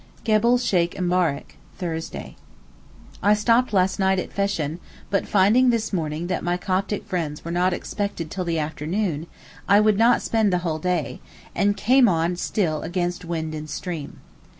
GEBEL SHEYK EMBARAK, Thursday. I stopped last night at Feshn, but finding this morning that my Coptic friends were not expected till the afternoon, I would not spend the whole day, and came on still against wind and stream.